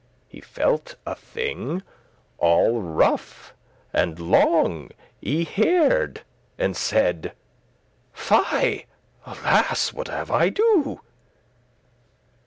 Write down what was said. He felt a thing all rough, and long y hair'd, And saide; "Fy, alas! what have I do?"